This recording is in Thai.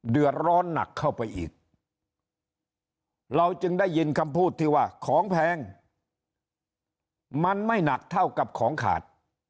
เดือดร้อนหนักเข้าไปอีกเราจึงได้ยินคำพูดที่ว่าของแพงมันไม่หนักเท่ากับของขาด